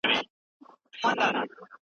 کتاب په نړۍ کې انقلاب رامنځته کړی دی.